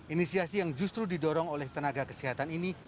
inisiasi yang justru didorong oleh tenaga kesehatan ini